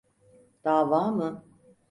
Dava mı?